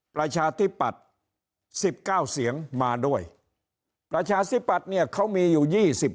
ประชาธิปัตย์๑๙เสียงมาด้วยประชาธิปัตย์เนี่ยเขามีอยู่๒๐